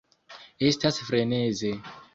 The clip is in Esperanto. Estas freneze.